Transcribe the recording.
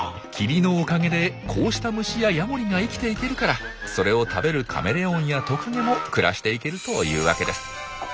霧のおかげでこうした虫やヤモリが生きていけるからそれを食べるカメレオンやトカゲも暮らしていけるというわけです。